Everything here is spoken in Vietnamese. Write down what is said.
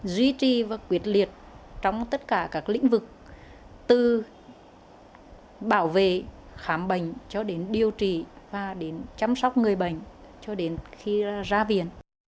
duy trì và quyết liệt trong tất cả các lĩnh vực từ bảo vệ khám bệnh cho đến điều trị và đến chăm sóc người bệnh cho đến khi ra viện